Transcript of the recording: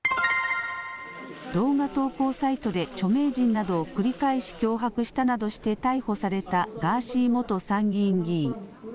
動画投稿サイトで著名人などを繰り返し脅迫したなどして逮捕されたガーシー元参議院議員。